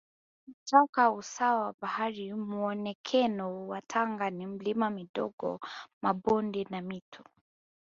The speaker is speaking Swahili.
kutoka usawa wa bahari Muonekeno wa Tanga ni milima midogo mabonde na Mito